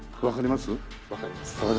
わかります。